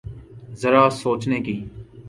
ذرا سوچنے کی۔